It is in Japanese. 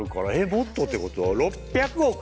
もっとってこと？